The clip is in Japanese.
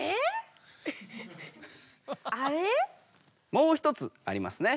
もう１つありますね。